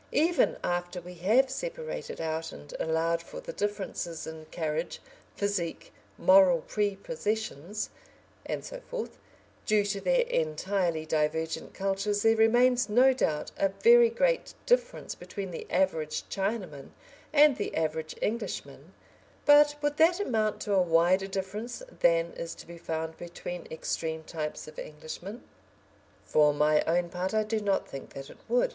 Even after we have separated out and allowed for the differences in carriage, physique, moral prepossessions, and so forth, due to their entirely divergent cultures, there remains, no doubt, a very great difference between the average Chinaman and the average Englishman; but would that amount to a wider difference than is to be found between extreme types of Englishmen? For my own part I do not think that it would.